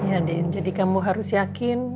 ya den jadi kamu harus yakin